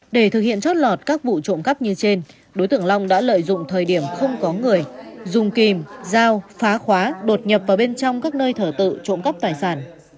để thực hiện trót lọt các vụ trộm cắp như trên đối tượng long đã lợi dụng thời điểm không có người dùng kìm dao phá khóa đột nhập vào bên trong các nơi thờ tự trộm cắp tài sản